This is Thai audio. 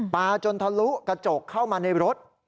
จนทะลุกระจกเข้ามาในรถ